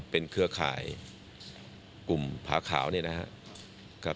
เป็นเครือข่ายกลุ่มผาขาวนี่นะครับ